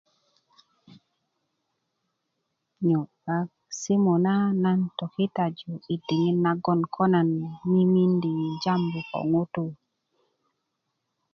simu na nan tokitaju i diŋit nagon nan mimindi jambu ko ŋutuu